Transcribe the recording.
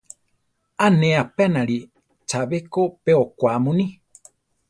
A ne apénali chabé ko pe okwá muní.